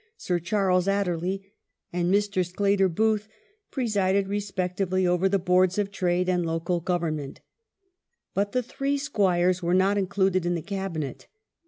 Sir Charles Adderley and Mr. Sclater Booth, presided respectively over the Boaids of Trade and Local Govern ment But the three squires were not included in the Cabinet.